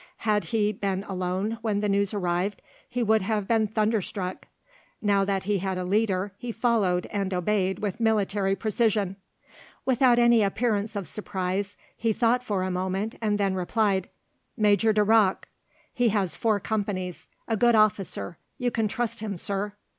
Had he been alone when the news arrived, he would have been thunderstruck; now that he had a leader he followed and obeyed with military precision. Without any appearance of surprise he thought for a moment and then replied: "Major de Roc. He has four companies, a good officer, you can trust him, Sir."